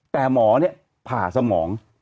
แต่หมอเนี่ยผ่าสมอง